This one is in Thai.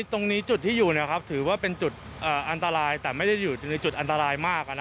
จุดที่อยู่ถือว่าเป็นจุดอันตรายแต่ไม่ได้อยู่ในจุดอันตรายมาก